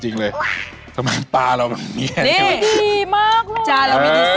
จริงมองตาผมเลย